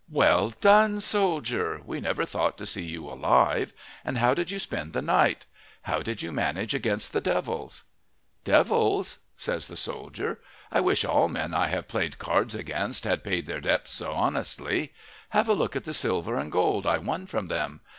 "Well done, soldier! We never thought to see you alive. And how did you spend the night? How did you manage against the devils?" "Devils?" says the soldier. "I wish all men I have played cards against had paid their debts so honestly. Have a look at the silver and gold I won from them.